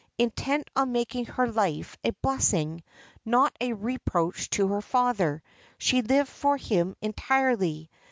Intent on making her life a blessing, not a reproach to her father, she lived for him entirely.